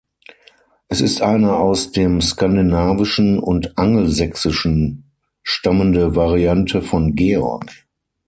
Es ist eine aus dem Skandinavischen und Angelsächsischen stammende Variante von Georg.